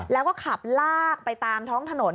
แล้วก็ขับลากไปตามท้องถนน